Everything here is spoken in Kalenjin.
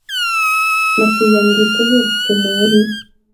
Matiyaan kiiy tugul chemwoee biik